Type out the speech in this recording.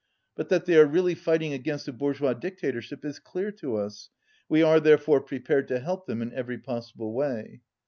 "But that ;they are really fighting against a bourgeois dicta torship is clear to us. We are, therefore, prepared to help them in every possible way."